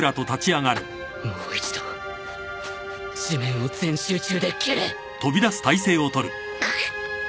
もう一度地面を全集中で蹴れ！ぐっ。